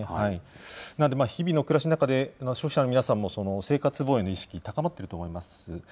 日々の暮らしの中で、消費者の皆さんも生活防衛の意識、高まっていると思います。